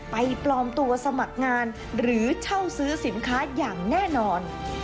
ปลอมตัวสมัครงานหรือเช่าซื้อสินค้าอย่างแน่นอน